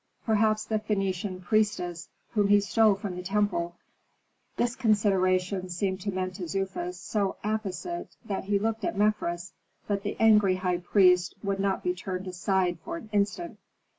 Perhaps the Phœnician priestess, whom he stole from the temple." This consideration seemed to Mentezufis so apposite that he looked at Mefres. But the angry high priest would not be turned aside for an instant.